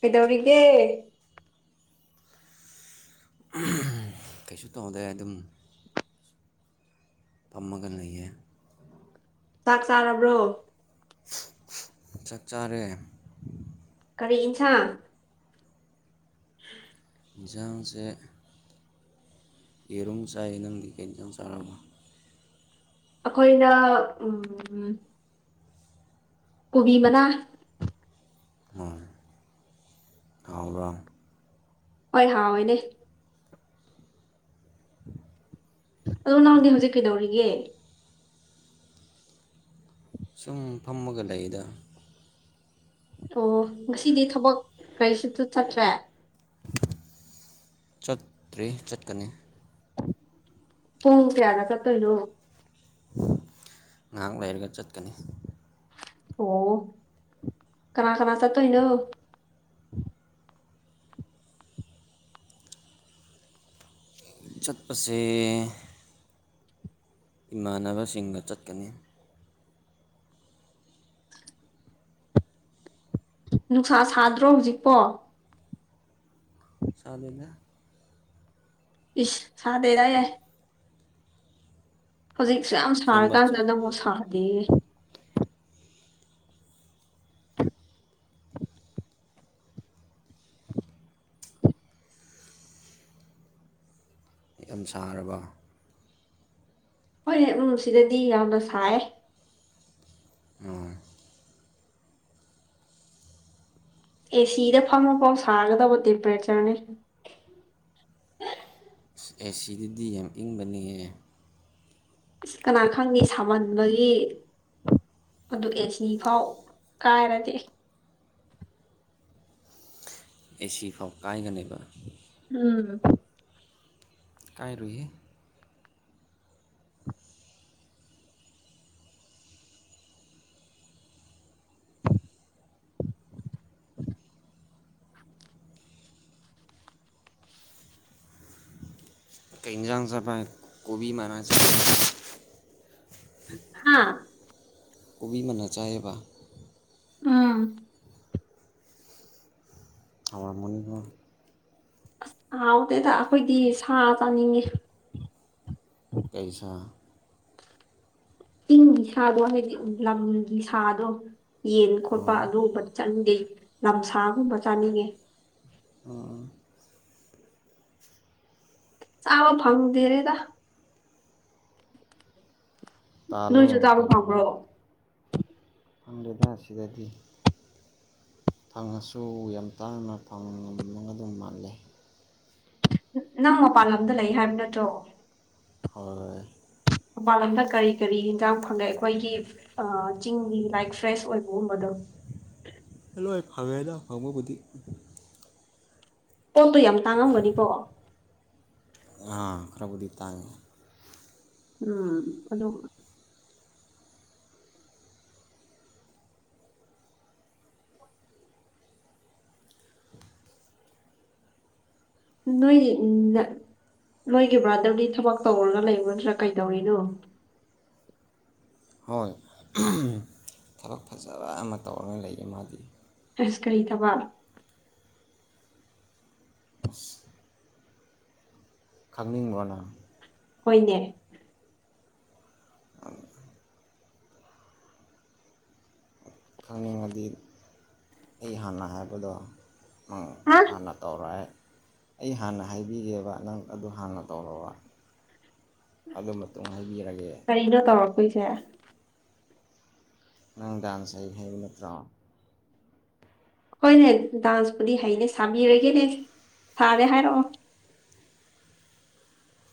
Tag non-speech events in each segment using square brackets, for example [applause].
ꯀꯩꯗꯧꯔꯤꯒꯦ ꯀꯩꯁꯨ ꯇꯧꯗꯦ ꯑꯗꯨꯝ ꯐꯝꯃꯒꯥ ꯂꯩ ꯆꯥꯛ ꯆꯥꯔꯕ꯭ꯔꯣ ꯆꯥꯛ ꯆꯔꯦ ꯀꯔꯤ ꯑꯦꯟꯁꯥꯡ [unintelligible] ꯌꯦꯟꯖꯥꯡꯁꯦ ꯌꯦꯔꯨꯝ ꯆꯥꯢ ꯅꯥꯪꯗꯤ ꯀꯩ ꯌꯦꯟꯁꯥꯡ ꯆꯔꯕꯥ ꯑꯩꯈꯣꯏꯅ ꯎꯝ ꯀꯣꯕꯤ ꯃꯅꯥ ꯎꯝ ꯍꯧꯕꯔꯣ ꯍꯣꯏ ꯍꯥꯎꯑꯣꯏꯅꯦ ꯑꯣ ꯅꯪꯗꯤ ꯍꯧꯖꯤꯛ ꯀꯩꯗꯧꯔꯤꯒꯦ ꯁꯨꯝ ꯐꯝꯃꯒ ꯂꯩꯗ ꯑꯣ ꯉꯁꯤꯗꯤ ꯊꯕꯛ ꯀꯔꯤꯁꯨ ꯆꯠꯇ꯭ꯔꯦ ꯆꯠꯇ꯭ꯔꯔꯤ ꯆꯠꯀꯅꯤ ꯄꯨꯡ ꯀꯥꯌꯥꯗ ꯆꯠꯇꯨꯏꯅꯣ ꯉꯥꯏꯍꯥꯛ ꯂꯩꯔꯒ ꯆꯠꯀꯅꯤ ꯑꯣ ꯀꯅꯥ ꯀꯅꯥ ꯆꯠꯇꯣꯏꯅꯣ ꯆꯠꯄꯁꯦ ꯏꯃꯥꯟꯅꯕꯁꯤꯡꯒ ꯆꯠꯀꯅꯤ ꯅꯨꯡꯁꯥ ꯁꯥꯗ꯭ꯔꯣ ꯍꯧꯖꯤꯛꯄꯣ ꯁꯗꯦꯗꯥ ꯏꯁ ꯁꯥꯗꯩꯗ ꯍꯥꯏ ꯂꯩ ꯍꯧꯖꯤꯛꯁꯦ ꯌꯥꯝ ꯑꯁꯦꯡꯕ ꯁꯥꯔꯀꯥꯟꯗ ꯅꯪꯕꯨ ꯁꯥꯗꯦꯌꯦ [unintelligible] ꯌꯥꯝ ꯁꯥꯔꯕ ꯍꯣꯏꯅꯦ ꯎꯝ ꯁꯤꯗꯗꯤ ꯌꯥꯝꯅ ꯁꯥꯏ ꯑꯣ ꯑꯦꯁꯤꯗ ꯐꯪꯕ ꯄꯥꯎ ꯁꯥꯒꯗꯧꯕ ꯇꯦꯝꯄꯔꯦꯆꯔꯅꯤ ꯁ ꯑꯦꯁꯤꯗꯗꯤ ꯌꯥꯝ ꯏꯪꯕꯅꯤꯌꯦ ꯑꯁ ꯀꯅꯥ ꯈꯪꯅꯤ ꯁꯥꯃꯟꯕꯒꯤ ꯑꯗꯨ ꯑꯦꯁꯤ ꯐꯥꯎ ꯀꯥꯏꯔꯗꯤ ꯑꯦꯁꯤ ꯐꯥꯎ ꯀꯥꯏꯒꯅꯦꯕ ꯎꯝ ꯀꯥꯏꯔꯣꯢꯍꯦ [unintelligible] ꯀꯩꯪ ꯌꯦꯟꯖꯥꯡ ꯆꯥꯒꯦ [inaudible] ꯀꯣꯕꯤꯤ ꯃꯅ ꯍꯥꯥ ꯀꯣꯕꯤ ꯃꯅꯥ ꯆꯥꯏꯌꯦꯕ ꯑꯝ ꯍꯥꯎꯔꯝꯒꯅꯤꯀꯣ ꯑꯁ ꯍꯥꯎꯗꯦꯗ ꯑꯩꯈꯣꯏꯗꯤ ꯁꯥ ꯆꯥꯅꯤꯡꯉꯦ ꯄꯩꯁꯥ ꯆꯤꯡꯒꯤ ꯁꯥꯗꯣ ꯍꯥꯏꯗꯤ ꯂꯝꯒꯤ ꯁꯥꯗꯣ ꯌꯦꯟ ꯈꯣꯠꯄ ꯎꯝ ꯑꯗꯨꯒꯨꯝꯕꯗꯤ ꯆꯪꯅꯤꯡꯗꯦ ꯂꯝꯁꯥꯒꯨꯝꯕ ꯆꯥꯅꯤꯡꯉꯦ ꯑꯣ ꯆꯥꯕꯥ ꯐꯪꯗꯦꯗꯥ ꯅꯣꯏꯁꯨ ꯇꯥꯜꯂꯣ ꯇꯥꯕ ꯄꯥꯝꯕ꯭ꯔꯣ ꯑꯗꯥ ꯑꯁꯤꯗꯗꯤ ꯐꯪꯉꯁꯨ ꯌꯥꯝ ꯇꯥꯡꯅ ꯐꯪ ꯉꯝꯃꯒ ꯑꯗꯨꯝ ꯃꯥꯜꯂꯦ ꯅꯪ ꯃꯄꯥꯟ ꯂꯝꯗ ꯂꯩ ꯍꯥꯏꯕ ꯅꯠꯇ꯭ꯔꯣ ꯍꯣꯏ ꯃꯄꯜ ꯂꯝꯗ ꯀꯔꯤ ꯀꯔꯤ ꯌꯦꯟꯖꯥꯡ ꯐꯪꯉꯦ ꯑꯩꯈꯣꯏꯒꯤ ꯆꯤꯡꯒꯤ ꯂꯥꯏꯛ ꯐ꯭ꯔꯦꯁ ꯑꯣꯏꯕꯒꯨꯝꯕꯗꯣ [inaudible] ꯂꯣꯏ ꯐꯪꯦ ꯍꯥꯏꯅ ꯐꯪꯕꯕꯨꯗꯤ ꯄꯣꯠꯇꯣ ꯌꯥꯝ ꯇꯥꯡꯉꯝꯕꯅꯤꯀꯣ ꯑꯥ ꯈꯔꯕꯨꯗꯤ ꯇꯥꯡꯉꯦ ꯎꯝ ꯑꯗꯨꯗ ꯅꯣꯏ ꯎꯝ ꯅꯣꯏꯒꯤ ꯕ꯭ꯔꯥꯗꯔꯗꯤ ꯊꯕꯛ ꯇꯧꯔꯒ ꯂꯩꯔꯨꯗ꯭ꯔꯥ ꯀꯩꯗꯧꯔꯤꯅꯣ ꯍꯣꯏ ꯊꯕꯛ ꯐꯖꯕ ꯑꯃ ꯇꯧꯔꯒ ꯂꯩꯌꯦꯦ ꯃꯥꯗꯤ ꯁ ꯀꯔꯤꯗꯕ ꯑꯁ ꯈꯥꯪꯅꯤꯡꯤꯡꯕꯣꯅ ꯍꯣꯏꯅꯦ ꯈꯪꯅꯤꯡꯉꯗꯤ ꯑꯩ ꯍꯥꯟꯅ ꯍꯥꯏꯕꯗꯣ ꯎ ꯍꯥ ꯍꯥꯟꯅ ꯇꯧꯔꯦ ꯑꯩ ꯍꯥꯟꯅ ꯍꯥꯏꯕꯤꯒꯦꯕ ꯅꯪ ꯑꯗꯨ ꯍꯥꯟꯅ ꯇꯧꯔꯔꯕ ꯑꯗꯨ ꯃꯇꯨꯡ ꯍꯥꯏꯕꯤꯔꯒꯦ ꯀꯣꯏꯁꯦ ꯅꯪ ꯗꯥꯟꯁ ꯍꯥꯏꯒ ꯍꯥꯏꯕ ꯅꯠꯇ꯭ꯔꯣ ꯑꯩꯈꯣꯏꯅꯦ ꯗꯥꯟꯁꯄꯨꯗꯤ ꯍꯩꯅꯦ ꯁꯥꯕꯤꯔꯒꯦꯅꯦ ꯁꯥꯔꯦ ꯍꯥꯏꯔꯛꯑꯣ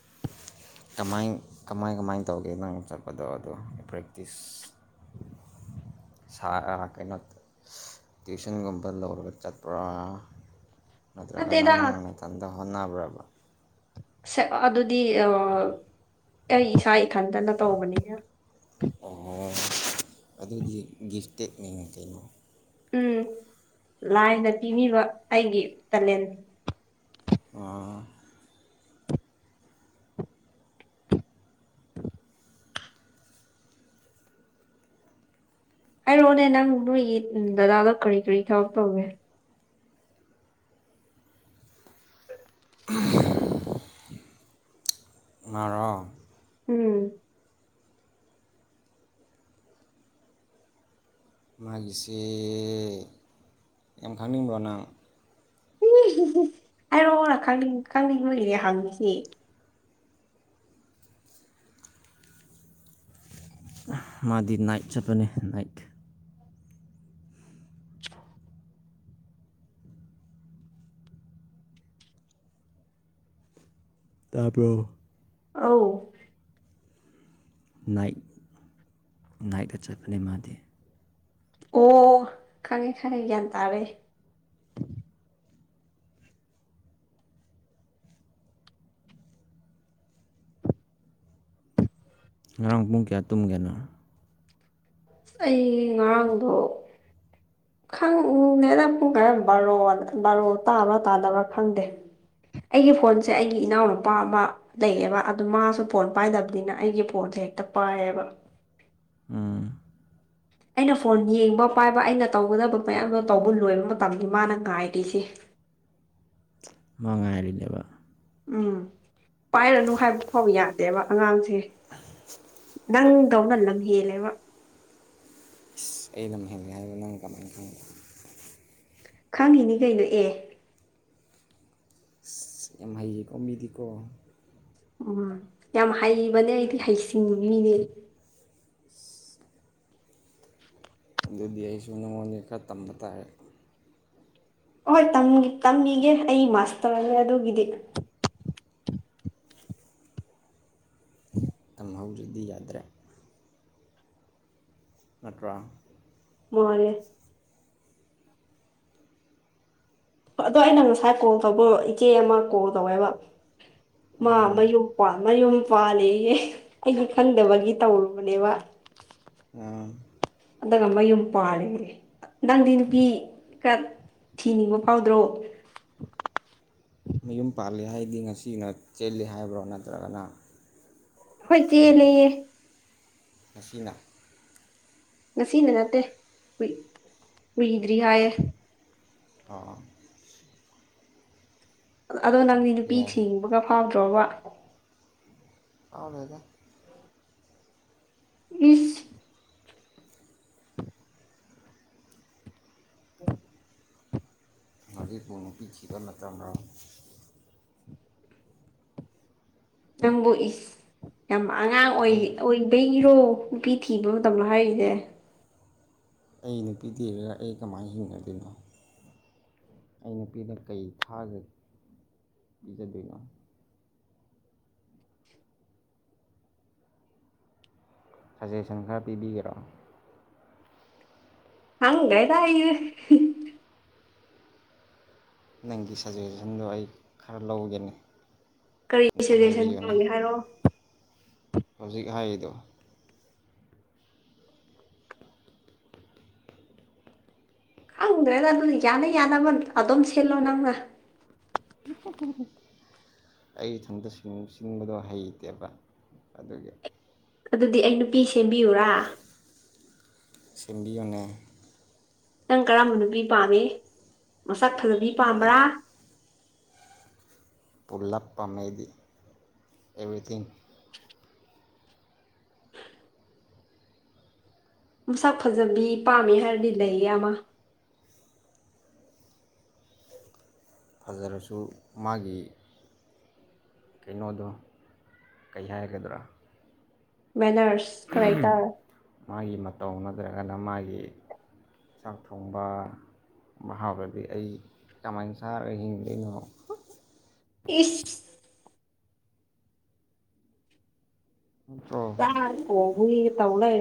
[unintelligible] ꯀꯃꯥꯏ ꯀꯃꯥꯏ ꯀꯃꯥꯏꯅ ꯇꯧꯒꯦ ꯅꯪ ꯆꯠꯄꯗꯣ ꯑꯗꯣ ꯄ꯭ꯔꯦꯛꯇꯤꯁ [unintelligible] ꯁ ꯀꯩꯅ ꯇ꯭ꯋꯤꯁꯟꯒꯨꯝꯕ ꯂꯧꯔꯒ ꯆꯠꯄ꯭ꯔꯥ ꯅꯠꯇ꯭ꯔꯒꯅ ꯅꯠꯇꯦꯗ ꯅꯪ ꯅꯇꯟꯇ ꯍꯣꯠꯅꯕ꯭ꯔꯕ ꯁꯦ ꯑꯗꯨꯗꯤ ꯑꯩ ꯏꯁꯥ ꯊꯟꯖꯅ ꯇꯧꯕꯅꯤꯅ ꯑꯣ ꯑꯗꯨꯗꯤ ꯒꯤꯐꯇ ꯃꯇꯣ ꯎꯝ ꯂꯥꯏꯅ ꯄꯤꯕꯤꯕ ꯑꯩꯒꯤ ꯇꯦꯂꯦꯟ ꯑ ꯍꯥꯏꯔꯣꯑꯣꯅꯦ ꯅꯪ ꯅꯣꯏꯒꯤ ꯗꯗꯥꯗꯣ ꯀꯔꯤ ꯀꯔꯤ ꯊꯕꯛ ꯇꯧꯒꯦ [unintelligible] ꯃꯔꯔꯣꯡ ꯎꯝ ꯃꯥꯒꯤꯁꯤ ꯑꯈꯥꯟ ꯔꯅ ꯍꯥꯏꯔꯛꯑꯣꯔꯅꯤꯡ ꯈꯪꯅꯤꯡ ꯂꯔꯦ ꯍꯪꯉꯁꯦ ꯃꯥꯗꯤ ꯅꯥꯏꯠ ꯆꯠꯄꯅꯦ ꯅꯥꯏꯠ ꯇꯥꯄꯣ ꯑ ꯅꯥꯏꯠ ꯅꯥꯏꯗ ꯆꯠꯄꯅ ꯃꯥꯗꯦ ꯑꯣ ꯈꯪꯉꯦ ꯈꯪꯉꯦ ꯒ꯭ꯌꯥꯟ ꯇꯥꯔꯦ ꯉꯔꯥꯡ ꯄꯨꯡ ꯀꯌꯥ ꯇꯨꯝꯒꯦꯅ ꯑꯩ ꯉꯥꯡꯗꯣ ꯈꯪꯎꯅꯦ ꯅꯨꯡ ꯈꯔ ꯕꯥꯔꯣ ꯕꯥꯔꯣ ꯇꯥꯕ꯭ꯔꯥ ꯇꯥꯗꯕ꯭ꯔꯥ ꯈꯪꯗꯦ ꯑꯩꯒꯤ ꯐꯣꯟꯁꯦ ꯑꯩꯒꯤ ꯏꯅꯥꯎꯅꯨꯄꯥ ꯑꯃ ꯂꯩꯌꯦꯕ ꯑꯗꯨ ꯃꯥꯁꯨ ꯐꯣꯟ ꯄꯥꯏꯗꯕꯅꯤꯅ ꯑꯩꯒꯤ ꯐꯣꯟꯁꯦ ꯍ‌ꯦꯛꯇ ꯄꯥꯏꯌꯦꯕ ꯑꯝ ꯑꯩꯅ ꯐꯣꯟ ꯌꯦꯡꯕ ꯄꯥꯏꯕ ꯑꯩꯅ ꯇꯧꯒꯗꯕ ꯃꯌꯥꯝꯗꯣ ꯇꯧꯕ ꯂꯣꯏꯕ ꯃꯇꯝ ꯃꯥꯅ ꯉꯥꯏꯗ‌ꯣꯏꯁꯤ [unintelligible] ꯃ ꯉꯥꯏꯔꯤꯅꯦꯕ ꯎꯝ ꯄꯥꯏꯔꯅꯨ ꯍꯥꯏꯕ ꯐꯥꯎ ꯌꯥꯗꯦꯕ ꯑꯉꯥꯡꯁꯦ ꯅꯪꯗꯧꯅ ꯂꯝꯍꯦꯜꯂꯦꯕ ꯏꯁ ꯑꯩ ꯂꯝ ꯍꯦꯟꯂꯤ ꯍꯥꯏꯕ ꯅꯪ ꯀꯃꯥꯏ ꯈꯪꯉꯤꯕ ꯈꯪꯉꯤꯅꯤ ꯀꯩꯅ‌ꯣ ꯑꯦ ꯏꯁ ꯌꯥꯝ ꯍꯩꯌ‌ꯦꯀ‌ꯣ ꯃꯤꯗꯤꯀ‌ꯣ ꯎꯝ ꯌꯥꯝ ꯍꯩꯕꯅꯦ ꯑꯩꯗꯤ ꯍꯩꯁꯤꯡꯕꯤꯅꯤ ꯑꯗꯨꯗꯤ ꯑꯩꯁꯨ ꯅꯉꯣꯟꯗꯩ ꯈꯔ ꯇꯝꯕ ꯇꯥꯥꯔ‌ꯦ ꯍꯣꯏ ꯇꯝ ꯇꯝꯃꯤꯒꯦ ꯑꯩ ꯃꯥꯁꯇꯔꯅ‌‌ꯦ ꯑꯗꯨꯒꯤꯗꯤ [inaudible] ꯍꯧꯖꯤꯒꯗꯤ ꯌꯥꯗ꯭ꯔꯦ ꯅꯠꯇꯔ ꯃꯥꯅ‌ꯦ ꯑꯗꯣ ꯑꯩꯅ ꯉꯁꯥꯏ ꯀꯣꯜ ꯇꯧꯕꯣ ꯏꯆꯦ ꯑꯃ ꯀꯣꯜ ꯇꯧꯋꯦꯕ ꯃꯥ ꯃꯌꯨꯝ ꯀꯣ ꯃꯌꯨꯝ ꯄꯥꯜꯂꯦꯌ‌ꯦ ꯑꯩꯗꯤ ꯈꯪꯗꯕꯒꯤ ꯇꯧꯔꯨꯕꯅꯦꯕ ꯑꯝ ꯑꯗꯨꯒ ꯃꯌꯨꯝ ꯄꯥꯜꯂ‌ꯦꯌ‌ꯦ ꯅꯪꯗꯤ ꯅꯨꯄꯤꯒ ꯊꯤꯅꯤꯡꯕ ꯐꯥꯎꯗ꯭ꯔꯣ ꯃꯌꯨꯝ ꯄꯥꯜꯂꯤ ꯍꯥꯏꯗꯤ ꯉꯁꯤꯅ ꯆꯦꯜꯂꯤ ꯍꯥꯏꯕ꯭ꯔꯣ ꯅꯠꯇ꯭ꯔꯒꯅ ꯍꯣꯏ ꯆ‌ꯦꯜꯂ‌ꯦꯌꯦ ꯅꯁꯤꯅꯥ ꯉꯁꯤꯅ ꯅꯠꯇꯦ ꯀꯨꯏ ꯀꯨꯏꯗ꯭ꯔꯤ ꯍꯥꯏꯌꯦ ꯑꯣ ꯑꯣ ꯑꯗꯣ ꯅꯪꯗꯤ ꯅꯨꯄꯤ ꯌꯥꯏ ꯊꯤꯅꯤꯡꯕꯒ ꯐꯥꯎꯗ꯭ꯔꯣꯕ ꯐꯥꯎꯗ‌ꯦꯗ ꯏꯁ [inaudible] ꯍꯧꯖꯤꯛꯄꯨ ꯅꯨꯄꯤ ꯊꯤꯕ ꯃꯇꯝꯔꯥ ꯅꯪꯕꯨ ꯏꯁ ꯌꯥꯝ ꯑꯉꯥꯡ ꯑꯣꯏ ꯑꯩ ꯑꯣꯏꯕꯩꯔꯣ ꯅꯨꯄꯤ ꯊꯤꯕ ꯃꯇꯝꯂ‌ꯣ ꯍꯥꯏꯔꯤꯁꯦ ꯑꯩ ꯅꯨꯄꯤ ꯊꯤꯔꯒ ꯑꯩ ꯀꯃꯥꯏꯅ ꯍꯤꯡꯒꯗꯣꯔꯤꯅꯣ ꯑꯩ ꯅꯨꯄꯤꯗꯨꯅ ꯀꯩ ꯊꯥꯛꯑꯒ ꯄꯤꯖꯗꯣꯏꯅꯣ ꯁꯖꯦꯁꯟ ꯈꯔ ꯄꯤꯕꯤꯒꯦꯔꯣ ꯈꯪꯗ‌ꯦꯗ ꯑꯩ ꯅꯪꯒꯤ ꯁꯖꯦꯁꯟꯗꯣ ꯑꯩ ꯈꯔ ꯂꯧꯒꯅꯤ ꯀꯔꯤ ꯁꯖꯦꯁꯟ ꯄꯥꯝꯃꯤ ꯍꯥꯏꯔꯛꯑꯣ ꯍꯧꯖꯤꯛ ꯍꯥꯏꯗ‌ꯣ ꯈꯪꯗ꯭ꯔꯦꯗ ꯑꯗꯨ ꯌꯥꯅ ꯌꯥꯅꯕ ꯑꯗꯨꯝ ꯁꯤꯜꯂꯣ ꯅꯪꯅ ꯑꯩ ꯏꯊꯟꯇ ꯁꯤꯟ ꯁꯤꯟꯕꯗꯣ ꯍꯩꯇꯦꯕ ꯑꯗꯨꯒꯤ ꯑꯗꯨꯗꯤ ꯑꯩ ꯅꯨꯄꯤ ꯁꯦꯝꯕꯤꯌꯨꯔꯥ ꯁꯝꯕꯤꯌꯨꯅ‌ꯦ ꯅꯪ ꯀꯔꯝꯕ ꯅꯨꯄꯤ ꯄꯥꯝꯃꯤ ꯃꯁꯛ ꯐꯖꯕꯤ ꯑꯩ ꯄꯥꯝꯕ꯭ꯔꯥ ꯄꯨꯂꯞ ꯄꯥꯝꯃꯤ ꯑꯩꯗꯤ ꯑꯦꯕ꯭ꯔꯤꯊꯤꯡ ꯃꯁꯥꯛ ꯐꯖꯕꯤ ꯄꯥꯝꯃꯦ ꯍꯥꯏꯔꯗꯤ ꯂꯩꯌꯦ ꯑꯃ ꯐꯖꯔꯁꯨ ꯃꯥꯒꯤ ꯀꯩꯅꯣꯗ ꯀꯩꯌꯥꯥꯏꯒꯗ꯭ꯔꯥ ꯕꯦꯅꯔꯁ ꯀꯗꯥꯥꯏꯇꯥꯔꯦ ꯇꯧꯅꯗ꯭ꯔꯒꯅ ꯃꯥꯒꯤ ꯆꯥꯛ ꯊꯣꯡꯕ ꯃꯍꯥꯎꯗꯗꯤ ꯑꯩ ꯀꯃꯥꯏꯅ ꯁꯥꯔꯒ ꯍꯤꯡꯗꯣꯏꯅꯣ ꯏꯁ ꯅꯠꯇ꯭ꯔꯣ ꯑ ꯑꯣꯕꯨ ꯇꯧꯂ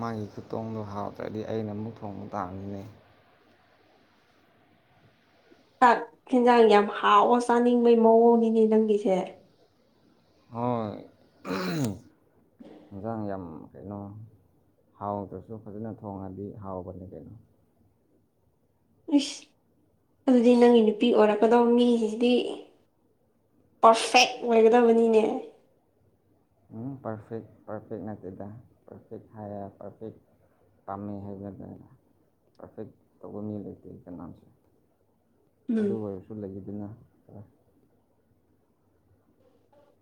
ꯃꯥꯒꯤ ꯈꯨꯇꯣꯡꯗꯣ ꯍꯥꯎꯇ꯭ꯔꯗꯤ ꯑꯩꯅ ꯑꯃꯨꯛ ꯊꯣꯡꯕ ꯇꯥꯡꯃꯤꯅꯦ ꯆꯥꯛ ꯌꯦꯤꯟꯖꯥꯡ ꯌꯥꯝ ꯍꯥꯎꯋ ꯆꯥꯅꯤꯡꯕꯩ ꯃꯑꯣꯡꯅꯤꯅꯦ ꯅꯪꯒꯤꯁꯦ ꯍꯣꯏ ꯃꯖꯒꯤ ꯌꯥꯝ ꯀꯩꯅꯣ ꯍꯥꯎꯗ꯭ꯔꯁꯨ ꯐꯖꯅ ꯊꯣꯡꯉꯗꯤ ꯍꯥꯎꯕꯅꯤ ꯀꯩꯅꯣ ꯏꯁꯁ ꯑꯗꯨꯗꯤ ꯅꯪꯒꯤ ꯅꯨꯄꯤ ꯑꯣꯏꯔꯛꯀꯗꯧꯕ ꯃꯤꯁꯤꯁꯤꯗꯤ ꯄꯔꯐꯦꯛ ꯑꯣꯏꯒꯗꯕꯅꯤꯅꯦ ꯎ ꯄꯔꯐꯦꯦꯛ ꯄ꯭ꯔꯐꯦꯦꯛ ꯅꯅꯥꯆꯗ ꯄ꯭ꯔꯐꯦꯦꯛ ꯍ ꯄꯔꯐꯦꯦꯛ ꯀꯝꯃꯦ ꯍꯦꯜꯃꯦ ꯂꯩ ꯇ꯭ꯔꯦꯐꯦꯛ ꯇꯕꯨꯃꯤ ꯂꯩꯇꯦ ꯀꯅꯥꯝꯁꯦ ꯎꯝ ꯑꯗꯨ ꯑꯣꯏꯔꯕꯁꯨ ꯂꯩꯗꯅꯦ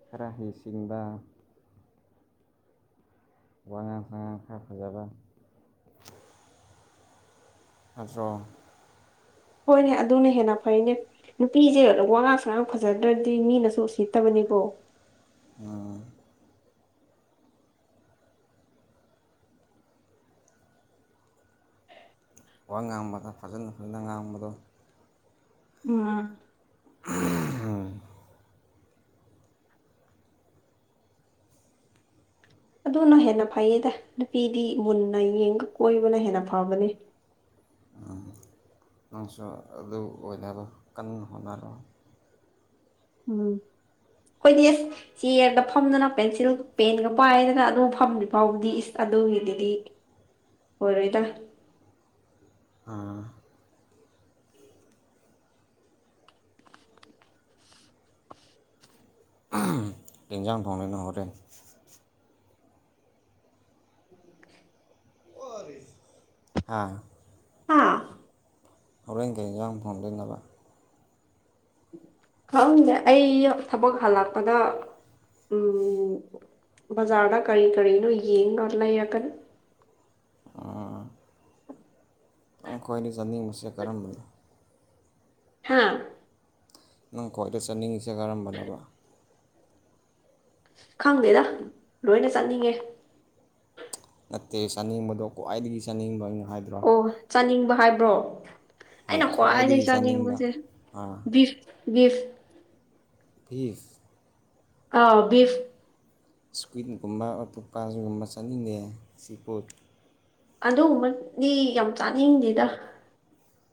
ꯈꯔꯥ ꯍꯩꯁꯤꯡꯕ ꯋꯥꯥꯡ ꯁꯉꯥꯡ ꯈ ꯐꯖꯕ ꯑꯗꯨꯣ ꯍꯣꯏꯅꯦ ꯑꯗꯨꯅ ꯍꯦꯟꯅ ꯐꯩꯅꯦ ꯅꯨꯄꯤꯁꯦ ꯋꯥꯉꯥꯡ ꯁꯉꯥꯡ ꯐꯖꯗ꯭ꯔꯗꯤ ꯃꯤꯅꯁꯨ ꯁꯤꯠꯇꯕꯅꯤ ꯀꯣ ꯑ ꯋꯥ ꯉꯥꯡꯕꯗ ꯐꯖꯅ ꯐꯖꯅ ꯉꯥꯡꯕꯗꯣ ꯑꯝ ꯎꯝ ꯑꯗꯨꯅ ꯍꯦꯟꯅ ꯐꯩꯌꯦꯗ ꯅꯨꯄꯤꯗꯤ ꯃꯨꯟꯅ ꯌꯦꯡꯒ ꯀꯣꯏꯕꯅ ꯍꯦꯟꯅ ꯐꯕꯅꯦ ꯅꯪꯁꯨ ꯑꯗꯨ ꯑꯣꯏꯅꯕ ꯀꯟꯅ ꯍꯣꯠꯅꯔꯣ ꯎꯝ ꯑꯩꯈꯣꯏꯗꯤ ꯑꯦꯁ ꯆꯤꯌꯔꯗ ꯐꯝꯗꯅ ꯄꯦꯟꯁꯤꯜꯒ ꯄꯦꯟꯒ ꯄꯥꯏꯗꯅ ꯑꯗꯨ ꯐꯝꯗ꯭ꯔꯤ ꯐꯥꯎꯕꯗꯤ ꯏꯁ ꯑꯗꯨꯒꯤꯗꯨꯗꯤ ꯑꯣꯏꯔꯣꯏꯗ ꯑꯥ ꯏꯟꯖꯥꯡ ꯅꯤ ꯅꯍꯣꯔꯦ ꯎ [inaudible] ꯑꯥ ꯍꯥꯥ ꯍꯣꯔꯦꯜ ꯀꯔꯤ ꯍꯦꯟꯖꯥꯡ ꯊꯣꯪꯗꯣꯏ ꯈꯪꯗꯦ ꯑꯩ ꯊꯕꯛ ꯍꯜꯂꯛꯄꯗ ꯎꯝ ꯕꯖꯥꯗ ꯀꯔꯤ ꯀꯔꯤꯅꯣ ꯌꯦꯡ ꯉꯂ ꯌꯥꯀꯟ ꯑꯩꯈꯣꯏꯅꯤ ꯆꯥꯅꯤꯡꯕꯁꯦ ꯀꯔꯝꯕꯅꯣ ꯍꯥꯥ ꯅꯪ ꯀꯣꯏꯕꯥ ꯆꯇꯅꯤꯉꯁꯤ ꯀꯔꯝ ꯅꯥ ꯈꯪꯗꯦꯗ ꯂꯣꯏꯅ ꯆꯠꯅꯤꯡꯉꯦ ꯅꯠꯇꯦ ꯆꯥꯅꯤꯡꯕꯗꯣ ꯈ꯭ꯋꯥꯏꯗꯒꯤ ꯆꯥꯅꯤꯡꯕ ꯑꯩꯅ ꯍꯥꯏꯗ꯭ꯔꯣ ꯑꯣ ꯆꯥꯅꯤꯡꯕ ꯍꯥꯏꯕ꯭ꯔꯣ ꯍꯣꯏ ꯑꯩꯅ ꯈ꯭ꯋꯥꯏꯗꯒꯤ ꯆꯥꯅꯤꯡꯕ ꯆꯥꯅꯤꯡꯕꯁꯦ ꯕꯤꯐ ꯕꯤꯐ ꯐꯤꯁ ꯑꯥꯎ ꯕꯤꯐ ꯏꯁꯀ꯭ꯋꯤꯠꯀꯨꯝꯕ ꯑꯇꯣꯞꯄꯒꯨꯝꯕ ꯆꯠꯅꯤꯡꯉꯦ ꯁꯤ ꯄꯣꯠ ꯑꯗꯨꯒꯨꯝꯕꯅꯤ ꯌꯥꯝ ꯆꯥꯅꯤꯡꯗꯦꯗ